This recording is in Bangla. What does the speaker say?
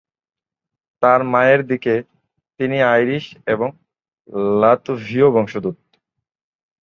তার মায়ের দিকে, তিনি আইরিশ এবং লাত্ভীয় বংশোদ্ভূত।